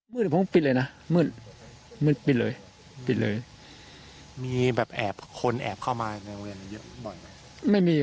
มืดผมปิดเลยนะมืดมืดปิดเลยมีแบบคนแอบเข้ามาในเมืองเยอะบ่อยไหม